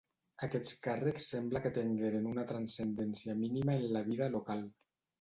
Aquests càrrecs sembla que tengueren una transcendència mínima en la vida local.